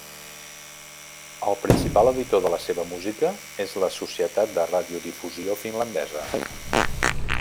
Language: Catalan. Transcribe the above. El principal editor de la seva música és la Societat de Radiodifusió Finlandesa.